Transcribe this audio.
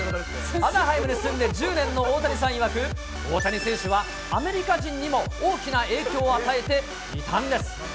アナハイムに住んで１０年の大谷さんいわく、大谷選手はアメリカ人にも大きな影響を与えていたんです。